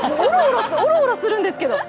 おろおろするんですけど。